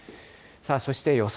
そして予想